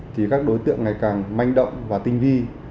thì các đối tượng ngày càng manh động và tinh vi